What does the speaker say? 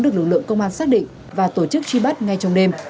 được lực lượng công an xác định và tổ chức truy bắt ngay trong đêm